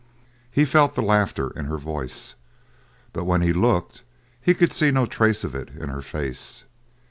He felt the laughter in her voice, but when he looked he could see no trace of it in her face.